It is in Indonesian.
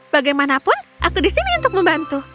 bagaimanapun aku di sini untuk membantu